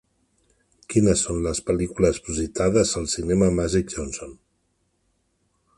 Quines són les pel·lícules projectades al cinema Magic Johnson.